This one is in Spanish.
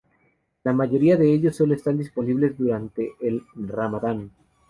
La mayoría de ellos sólo están disponibles durante el Ramadán.